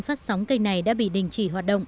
phát sóng kênh này đã bị đình chỉ hoạt động